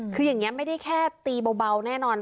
คืออย่างนี้ไม่ได้แค่ตีเบาแน่นอน